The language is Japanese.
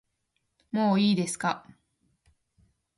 もういいですか